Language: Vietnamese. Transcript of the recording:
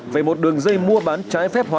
về một đường dây mua bán trái phép hóa